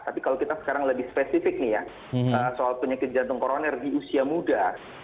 tapi kalau kita sekarang lebih spesifik nih ya soal penyakit jantung koroner di usia muda